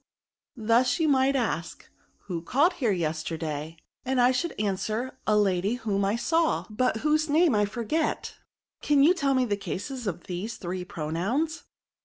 Thus you might ask, who called here, yesterday? and I should answer, a lady whom I saw, but whose name I forget : can you tell me the cases of these three pro nouns?"